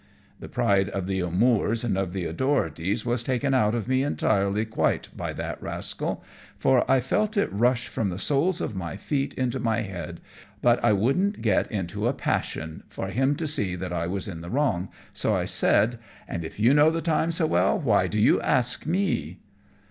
The pride of the O'Moors and of the O'Doughertys was taken out of me entirely quite by that rascal, for I felt it rush from the soles of my feet into my head, but I wouldn't get into a passion, for him to see that I was in the wrong, so I said, "And if you know the time so well, why do you ask me?"